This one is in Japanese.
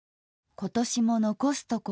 今年も残すところ